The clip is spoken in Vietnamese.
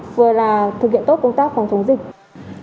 vừa là thực hiện tốt công tác phòng chống dịch